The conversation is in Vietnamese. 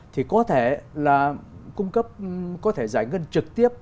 thì có thể là cung cấp có thể giải ngân trực tiếp